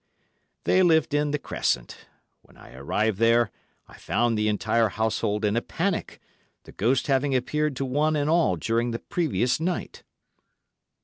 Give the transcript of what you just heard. They lived in C—— Crescent. When I arrived there, I found the entire household in a panic, the ghost having appeared to one and all during the previous night.